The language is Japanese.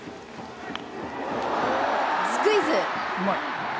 スクイズ。